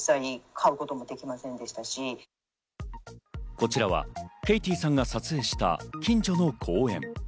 こちらはケイティさんが撮影した近所の公園。